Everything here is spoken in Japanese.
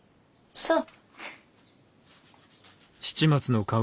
そう。